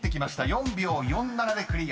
４秒４７でクリア。